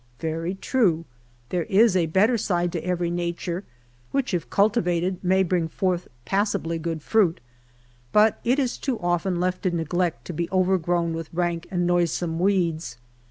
Very true ; there is a better side to every nature, which if cultivated, may bring forth passably good fruit, but it is too often left in neglect to be overgrown with rank and noisome weeds.